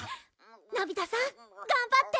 のび太さん頑張って！